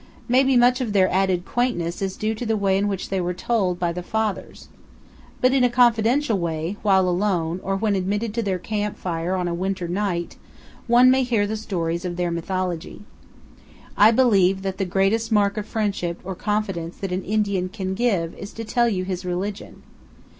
Maybe much of their added quaint ness is due to the way in which they were told by the "fathers." But in a confidential way, while alone, or when admitted to their camp fire on a winter night, one may hear the stories of their mythology. I believe that the greatest mark of friendship or confidence that an Indian can give is to tell you his religion.